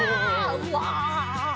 うわ。